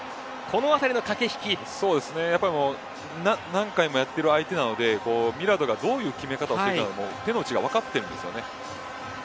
やはり何回もやっている相手なのでミラドがどういう決め方をしてくるのか手の内が分かっているんですよね。